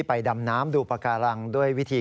ดำน้ำดูปากการังด้วยวิธี